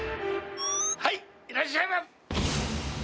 はい、いらっしゃいませ。